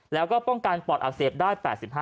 แล้วก็ป้องกันปอดอักเสบได้๘๕